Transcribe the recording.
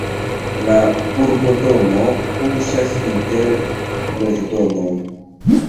La urbodomo kuŝas inter loĝdomoj.